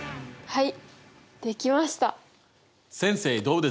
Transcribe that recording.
はい。